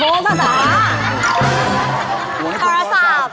ผมขอสับ